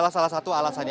salah satu alasannya